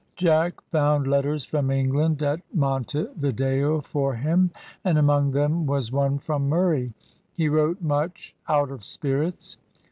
Jack found letters from England at Monte Video for him, and among them was one from Murray; he wrote much out of spirits.